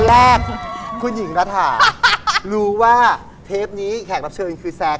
แรกคุณหญิงระถารู้ว่าเทปนี้แขกรับเชิญคือแซค